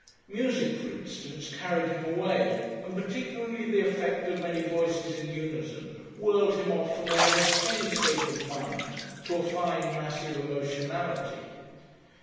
Music, for instance, carried him away, and particularly the effect of many voices in unison whirled him off from almost any state of mind to a fine massive emotionality.